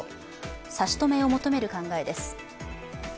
差し止めを求める考えです。